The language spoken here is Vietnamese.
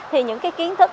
thì những cái kiến thức